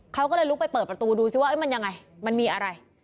เขาก็เลยลุกไปเปิดประตูดูซิว่ามันยังไงมันมีอะไร